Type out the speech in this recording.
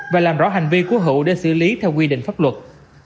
và làm rõ hành vi của hữu để xử lý theo quy định pháp luật